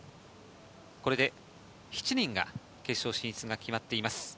これで７人の決勝進出が決まっています。